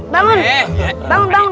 bangun bangun bangun